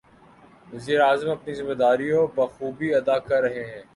وزیر اعظم اپنی ذمہ داریاں بخوبی ادا کر رہے ہیں۔